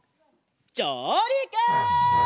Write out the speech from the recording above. じょうりく！